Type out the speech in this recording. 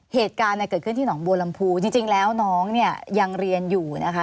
เหตุการณ์เนี่ยเกิดขึ้นที่หนองบัวลำพูจริงแล้วน้องเนี่ยยังเรียนอยู่นะคะ